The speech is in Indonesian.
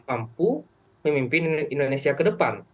siapa yang mampu memimpin indonesia ke depan